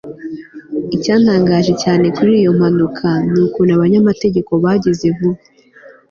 Icyantangaje cyane kuri iyo mpanuka nukuntu abanyamategeko bageze vuba